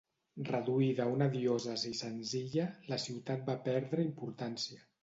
Reduïda a una diòcesi senzilla, la ciutat va perdre importància.